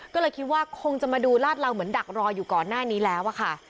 ก็เลยคิดว่าคงจะมาดูลาดเหลาเหมือนดักรออยู่ก่อนหน้านี้แล้วอะค่ะ